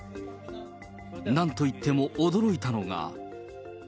なんといっても驚いたのは。